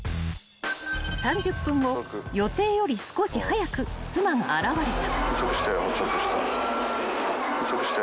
［３０分後予定より少し早く妻が現れた］